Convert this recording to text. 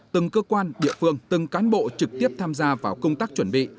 từng cơ quan địa phương từng cán bộ trực tiếp tham gia vào công tác chuẩn bị